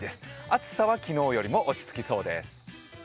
暑さは昨日より落ち着きそうです。